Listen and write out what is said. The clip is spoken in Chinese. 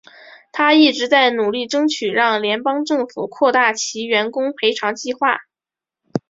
她一直在努力争取让联邦政府扩大其员工赔偿计划。